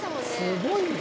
すごいね。